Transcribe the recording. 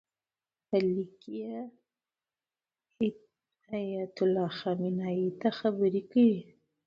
په لیک کې یې ایتالله خمیني ته خبرې کړي.